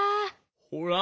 ほら。